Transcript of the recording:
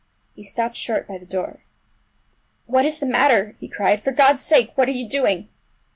He stopped short by the door. "What is the matter?" he cried. "For God's sake, what are you doing!"